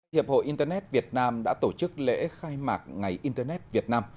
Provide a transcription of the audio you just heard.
hiệp hội internet việt nam đã tổ chức lễ khai mạc ngày internet việt nam